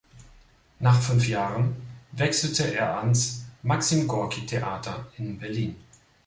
Nach fünf Jahren wechselte er ans Maxim-Gorki-Theater in Berlin.